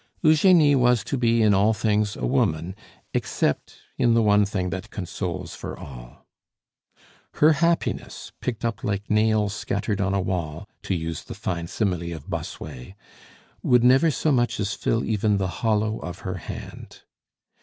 Eugenie was to be in all things a woman, except in the one thing that consoles for all. Her happiness, picked up like nails scattered on a wall to use the fine simile of Bossuet would never so much as fill even the hollow of her hand.